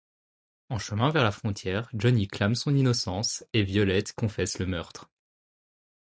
En chemin vers la frontière, Johnny clame son innocence et Violet confesse le meurtre.